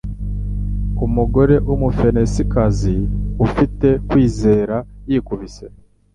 Umugore w'Umufenisikazi ufite kwizera yikubise